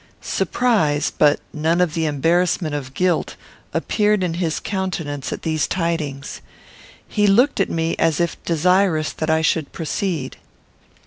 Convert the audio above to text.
Surprise, but none of the embarrassment of guilt, appeared in his countenance at these tidings. He looked at me as if desirous that I should proceed.